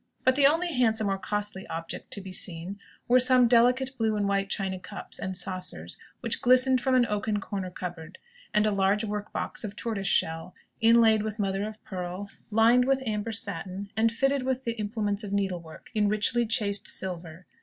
But the only handsome or costly object to be seen were some delicate blue and white china cups and saucers, which glistened from an oaken corner cupboard; and a large work box of tortoise shell, inlaid with mother of pearl, lined with amber satin, and fitted with all the implements of needlework, in richly chased silver.